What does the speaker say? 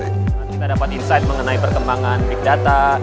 nanti kita dapat insight mengenai perkembangan big data